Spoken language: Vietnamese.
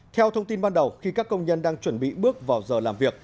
theo thông tin ban đầu khi các công nhân đang chuẩn bị bước vào giờ làm việc